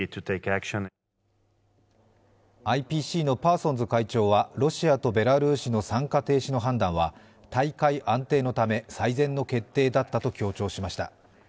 ＩＰＣのパーソンズ会長はロシアとベラルーシの参加停止の判断は大会安定のため最善の決定だったと強調しました。